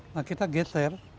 nah kita geser